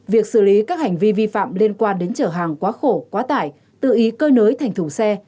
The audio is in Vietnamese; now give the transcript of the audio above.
việc xử lý các hành vi vi phạm liên quan đến chở hàng quá khổ quá tải tự ý cơi nới thành thùng xe